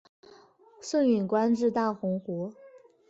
盛允官至大鸿胪。